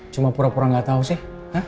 cuma pura pura gak tau sih